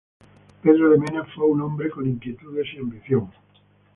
Pedro de Mena fue un hombre con inquietudes y ambición.